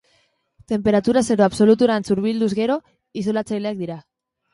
Tenperatura zero absoluturantz hurbilduz gero isolatzaileak dira.